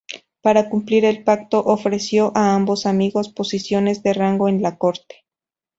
Para cumplir el pacto, ofreció a ambos amigos posiciones de rango en la corte.